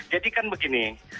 jadi kan begini